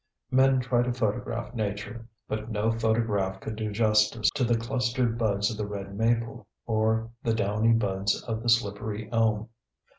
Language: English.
Men try to photograph nature, but no photograph could do justice to the clustered buds of the red maple or the downy buds of the slippery elm.